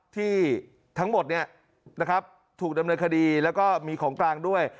ที่ทั้งหมดถูกดำเนินคดีแล้วก็มีของกลางด้วย